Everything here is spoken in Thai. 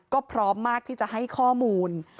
ก็พร้อมมากที่จะให้ข้อมูล